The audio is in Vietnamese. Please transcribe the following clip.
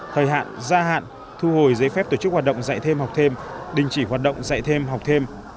thời hạn gia hạn thu hồi giấy phép tổ chức hoạt động dạy thêm học thêm đình chỉ hoạt động dạy thêm học thêm